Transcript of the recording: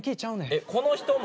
えっこの人も？